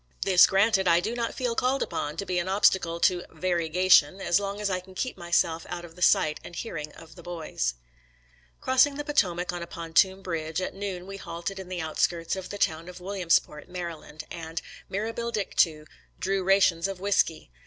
This granted, I do not feel called upon to be an obstacle to "vairega tion" as long as I can keep myself out of the sight and hearing of the boys. *♦« Crossing the Potomac on a pontoon bridge, at noon we halted in the outskirts of the town of HOOD'S TBXANS IN PENNSYLVANIA 121 Williamsport, Md., and, mirabile dictu, drew rations of whisky.